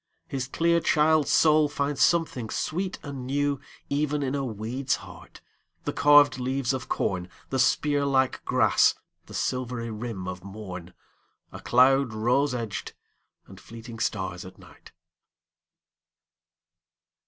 His clear child's soul finds something sweet and newEven in a weed's heart, the carved leaves of corn, The spear like grass, the silvery rim of morn,A cloud rose edged, and fleeting stars at night!